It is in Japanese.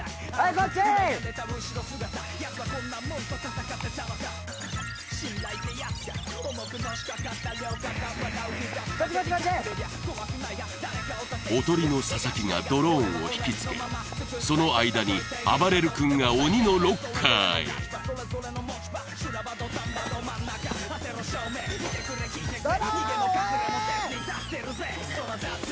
こっちこっちこっちおとりの佐々木がドローンを引きつけその間にあばれる君がドローン追え！